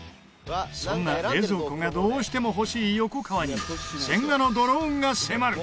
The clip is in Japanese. そんな、冷蔵庫がどうしても欲しい横川に千賀のドローンが迫る！